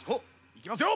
いきますよ。